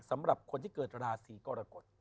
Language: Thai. สำหรับคนที่เกิดราศีกรกฎ